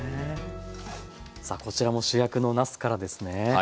さあこちらも主役のなすからですね。